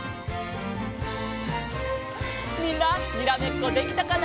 みんなにらめっこできたかな？